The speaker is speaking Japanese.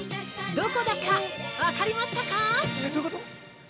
どこだか、分かりましたか？